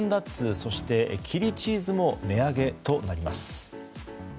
そしてキリチーズも値上げとなります。